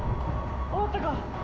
終わったか？